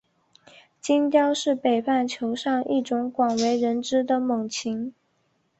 金雕是北半球上一种广为人知的猛禽。